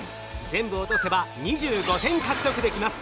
全部落とせば２５点獲得できます。